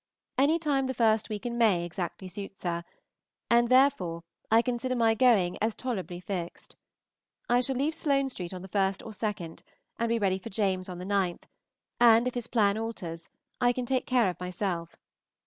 Any time the first week in May exactly suits her, and therefore I consider my going as tolerably fixed. I shall leave Sloane Street on the 1st or 2d, and be ready for James on the 9th, and, if his plan alters, I can take care of myself.